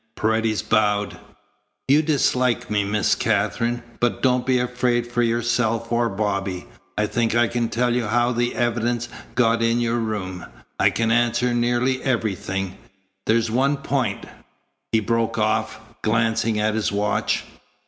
Paredes bowed. "You dislike me, Miss Katherine, but don't be afraid for yourself or Bobby. I think I can tell you how the evidence got in your room. I can answer nearly everything. There's one point " He broke off, glancing at his watch.